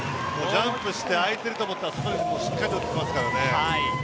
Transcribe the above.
ジャンプして空いていると思ったらストレートしっかり打ってきますからね。